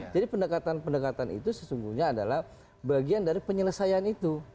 jadi pendekatan pendekatan itu sesungguhnya adalah bagian dari penyelesaian itu